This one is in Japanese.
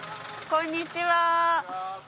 こんにちは。